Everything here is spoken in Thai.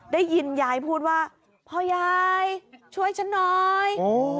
ได้ยินยายพูดว่าพ่อยายช่วยฉันหน่อย